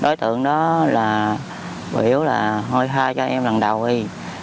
đối tượng đó là biểu là thôi hai cho em lần đầu đi